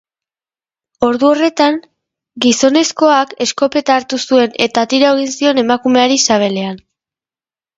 Ordu horretan, gizonezkoak eskopeta hartu zuen eta tiro egin zion emakumeari sabelean.